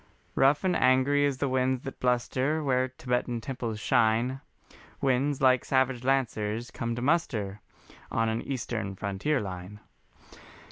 Rough and angry as the winds that bluster Where Tibetan temples shine, Winds like savage lancers come to muster On an Eastern frontier line.